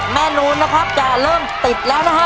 นูนนะครับจะเริ่มติดแล้วนะฮะ